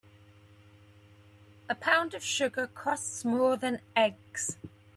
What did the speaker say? A pound of sugar costs more than eggs.